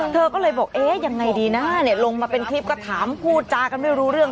เธอก็เลยบอกเอ๊ะยังไงดีนะลงมาเป็นคลิปก็ถามพูดจากันไม่รู้เรื่อง